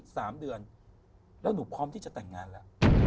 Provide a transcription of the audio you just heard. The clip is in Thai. สามเดือนแล้วหนูพร้อมที่จะแต่งงานแล้ว